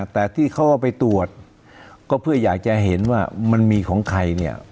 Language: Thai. แต่ที่เขาเอาไปตรวจก็เพื่ออยากจะเห็นว่ามันมีของใครเนี่ย